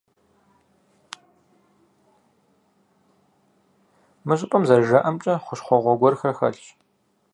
Мы щӀыпӀэм, зэрыжаӀэмкӀэ, хущхъуэгъуэ гуэрхэр хэлъщ.